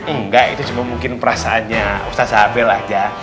enggak ini mungkin perasaan ustazah abel aja